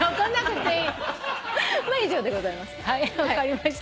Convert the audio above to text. まあ以上でございます。